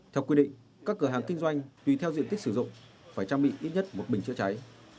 theo quy định các cửa hàng kinh doanh tùy theo diện tích sử dụng phải trang bị ít nhất một bình chữa cháy